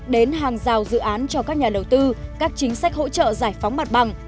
đến hàng rào dự án cho các nhà đầu tư các chính sách hỗ trợ giải phóng mặt bằng